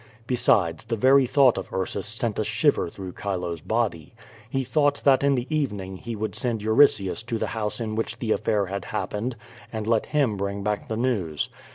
Besides, the very thought of Ursus sent a shiver through Chilo's body. He thought that in the evening he would send Euritius to the house in which the affair had happened, and let him bring back the news.